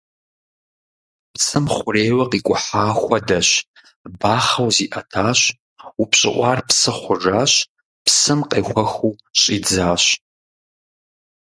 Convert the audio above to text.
Псым хъурейуэ къикӀухьа хуэдэщ: бахъэу зиӀэтащ, упщӀыӀуар псы хъужащ, псым къехуэхыу щӀидзащ.